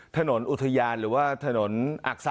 ถนนอุทยานหรือว่าถนนอักษะ